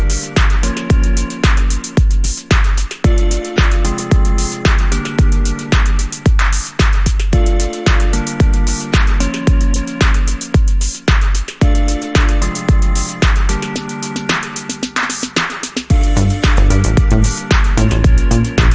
เอาเช้ามากันเร็ว